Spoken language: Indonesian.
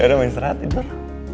yaudah mau istirahat tidur